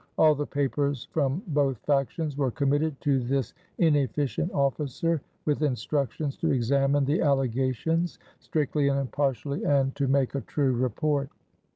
All the papers from both factions were committed to this inefficient officer with instructions to examine the allegations strictly and impartially and to make a true report.